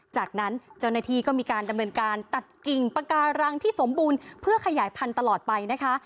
จากนั้นเจ้าหน้าที่ก็มีการดำเนินการตัดกิ่งปาการังที่สมบูรณ์เพื่อขยายพันธุ์ตลอดไปนะคะ